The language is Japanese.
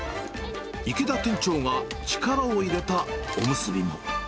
池田店長が力を入れたおむすびも。